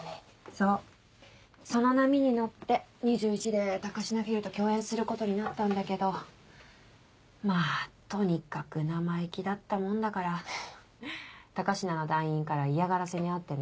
そうその波に乗って２１歳で高階フィルと共演することになったんだけどまぁとにかく生意気だったもんだから高階の団員から嫌がらせに遭ってね。